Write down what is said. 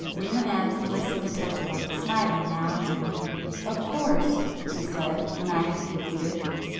Rimânez listened attentively, smiling now and then. "Of course!" he said, when I had concluded.